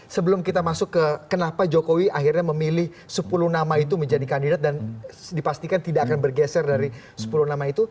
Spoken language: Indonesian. sebelum kita masuk ke kenapa jokowi akhirnya memilih sepuluh nama itu menjadi kandidat dan dipastikan tidak akan bergeser dari sepuluh nama itu